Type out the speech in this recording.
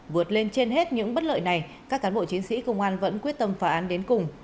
vượt lên trên hết những bất lợi này các cán bộ chiến sĩ công an vẫn quyết tâm phả án đến cùng